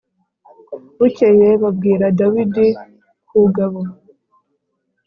Bukeye babwira Dawidi ku gabo